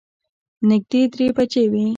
نږدې درې بجې وې.